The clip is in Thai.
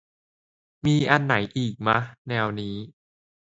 มีอันไหนอีกมะ แนวนี้